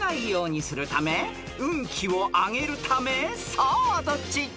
［さあどっち？］